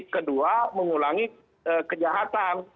kedua mengulangi kejahatan